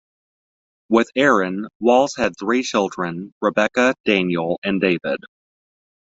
With Erin, Walls had three children: Rebecca, Daniel and David.